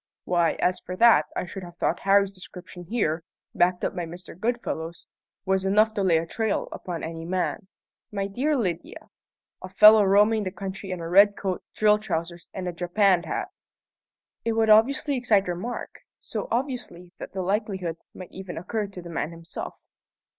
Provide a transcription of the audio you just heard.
"Why, as for that, I should have thought Harry's description here, backed up by Mr. Goodfellow's, was enough to lay a trail upon any man. My dear Lydia, a fellow roaming the country in a red coat, drill trousers, and a japanned hat!" "It would obviously excite remark: so obviously that the likelihood might even occur to the man himself."